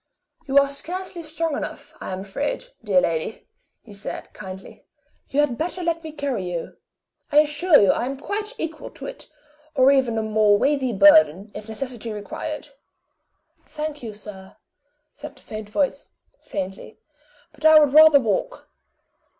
"You are scarcely strong enough, I am afraid, dear lady," he said, kindly. "You had better let me carry you. I assure you I am quite equal to it, or even a more weighty burden, if necessity required." "Thank you, sir," said the faint voice, faintly; "but I would rather walk.